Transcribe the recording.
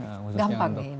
gampang ini ya